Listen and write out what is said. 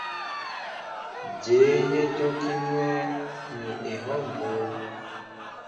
Jéé yé jókínέ ní ehɔw mbó.